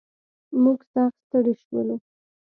موږ سخت ستړي شولو.